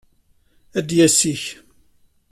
D yessi-k.